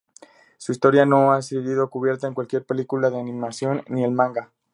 Su historia no ha sido cubierta en cualquier película de animación, ni el manga.